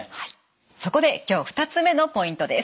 そこで今日２つ目のポイントです。